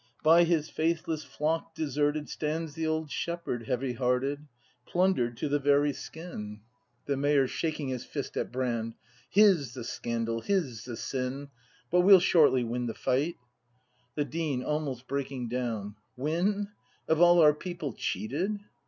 '] By his faithless flock deserted Stands the old shepherd, heavy hearted, Plunder'd to the very skin! mo je66 BRAND [act v The Mayor. [Shaking his fist at Brand.] H i s the scandal ; h i s the sin ! But we'll shortly win the fight! The Dean. \Almost breaking downil Win ? Of all our people cheated